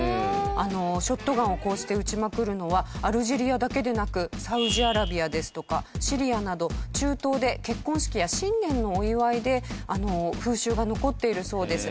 ショットガンをこうして撃ちまくるのはアルジェリアだけでなくサウジアラビアですとかシリアなど中東で結婚式や新年のお祝いで風習が残っているそうです。